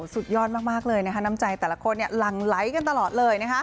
สุดยอดมากเลยนะคะน้ำใจแต่ละคนเนี่ยหลั่งไลก์กันตลอดเลยนะคะ